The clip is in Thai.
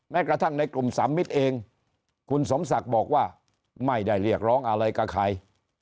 กระทั่งในกลุ่มสามมิตรเองคุณสมศักดิ์บอกว่าไม่ได้เรียกร้องอะไรกับใคร